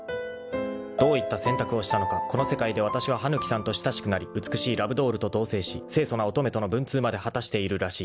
［どういった選択をしたのかこの世界でわたしは羽貫さんと親しくなり美しいラブドールと同棲し清楚な乙女との文通まで果たしているらしい］